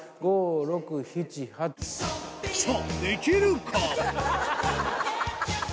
さぁできるか？